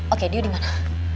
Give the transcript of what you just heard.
oke dio dimana